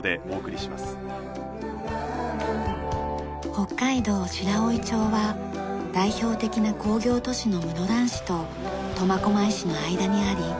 北海道白老町は代表的な工業都市の室蘭市と苫小牧市の間にあり